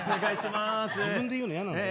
自分で言うの嫌なんだよ。